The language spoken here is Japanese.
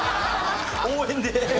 応援で？